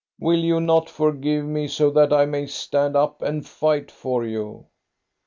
Will you not forgive me, so that I may stand up and fight for you ?